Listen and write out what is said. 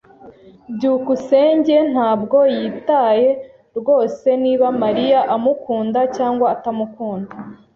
byukusenge ntabwo yitaye rwose niba Mariya amukunda cyangwa atamukunda.